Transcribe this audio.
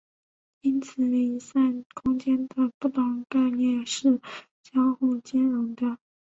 因此离散空间的不同概念是相互兼容的。